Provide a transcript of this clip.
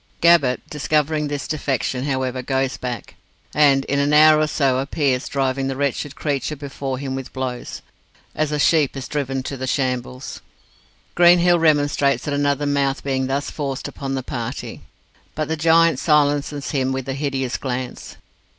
Gabbett, discovering this defection, however, goes back, and in an hour or so appears, driving the wretched creature before him with blows, as a sheep is driven to the shambles. Greenhill remonstrates at another mouth being thus forced upon the party, but the giant silences him with a hideous glance.